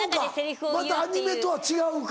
そうかまたアニメとは違うか。